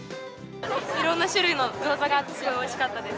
いろんな種類のギョーザがあって、すごいおいしかったです。